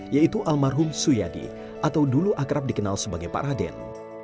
yaitu almarhum suyadi atau dulu akrab dikenal sebagai pak raden